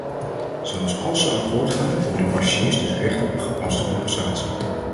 Zelfs als ze akkoord gaan hebben de passagiers dus recht op een gepaste compensatie.